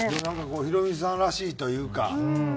なんかこうヒロミさんらしいというか。